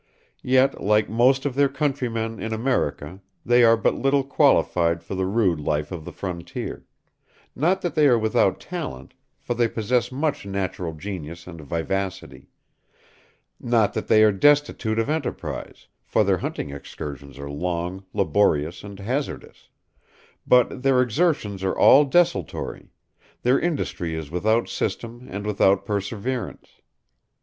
Yet, like most of their countrymen in America, they are but little qualified for the rude life of the frontier, not that they are without talent, for they possess much natural genius and vivacity; not that they are destitute of enterprise, for their hunting excursions are long, laborious, and hazardous; but their exertions are all desultory; their industry is without system and without perseverance.